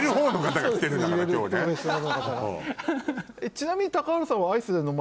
ちなみに原さんは。